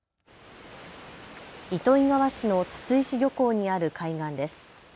糸魚川市の筒石漁港にある海岸です。